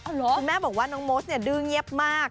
คุณแม่บอกว่าน้องโมสเนี่ยดื้อเงียบมาก